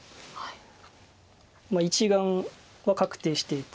１眼は確定していて。